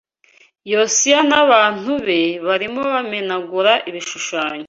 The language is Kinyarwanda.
Yosiya n’abantu be barimo bamenagura ibishushanyo